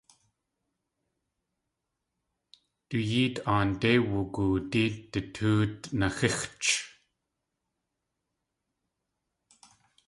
Du yéet aandé wugoodí du tóot naxíxch.